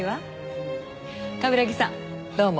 冠城さんどうも。